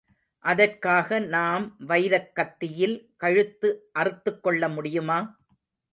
அதற்காக நாம் வைரக் கத்தியில் கழுத்து அறுத்துக் கொள்ள முடியுமா?